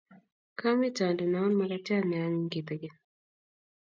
kamite andenaun makatiat neanyiny kitigin